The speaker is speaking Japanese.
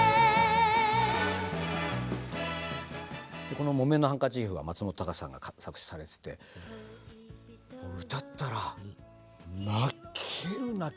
この「木綿のハンカチーフ」が松本隆さんが作詞されててもう歌ったら泣ける泣ける。